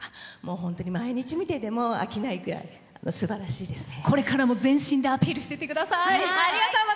本当に毎日見てても飽きないぐらいすばらしいですね。